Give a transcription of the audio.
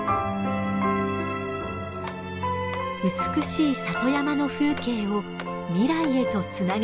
美しい里山の風景を未来へとつなげていきたい。